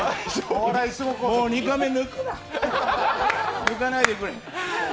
もう、２カメ、抜くな、抜かないでくれ。